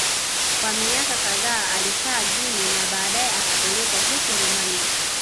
Kwa miaka kadhaa alikaa Guinea na baadae akapelekwa huko Romania